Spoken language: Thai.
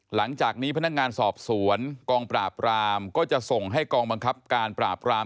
หลังจากนี้พนักงานสอบสวนกองปราบรามก็จะส่งให้กองบังคับการปราบราม